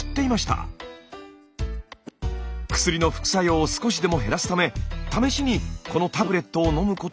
薬の副作用を少しでも減らすため試しにこのタブレットを飲むことにしたんです。